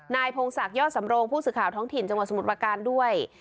พงศักดิยอดสำโรงผู้สื่อข่าวท้องถิ่นจังหวัดสมุทรประการด้วย